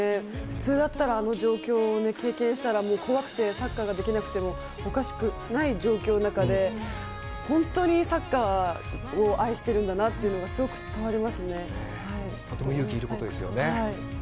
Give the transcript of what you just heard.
普通だったらあの状況を経験したら怖くてサッカーができなくてもおかしくない状況の中で本当にサッカーを愛しているんだなというのがとても勇気がいることですよね。